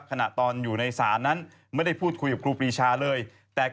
ออกมาจากสารแพ่งจังหวัดกาญจนบุรีนะครับ